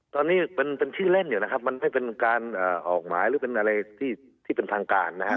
ตอนนี้เป็นชื่อเล่นอยู่นะครับมันไม่เป็นการออกหมายหรือเป็นอะไรที่เป็นทางการนะครับ